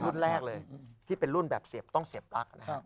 รุ่นแรกเลยที่เป็นรุ่นแบบต้องเสียบลักษณ์นะครับ